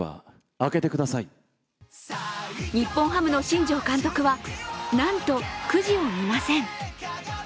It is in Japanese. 日本ハムの新庄監督はなんとくじを見ません。